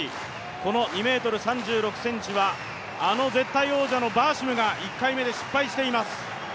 この２ｍ３６ｃｍは、あの絶対王者のバーシムが１回目で失敗しています。